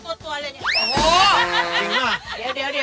ข้างช้างทีไม่ดูทีมันชอบกินตัวเหรอเนี่ย